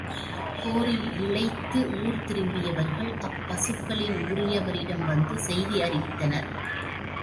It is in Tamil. போரில் இளைத்து ஊர் திரும்பியவர்கள் அப்பசுக்களின் உரியவரிடம் வந்து செய்தி அறிவித்தனர்.